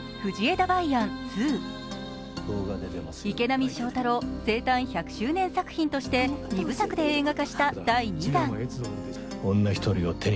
池波正太郎生誕１００周年作品として２部作で映画化した第２弾。